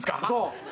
そう。